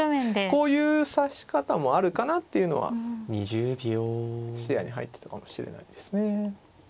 こういう指し方もあるかなっていうのは視野に入ってたかもしれないですね。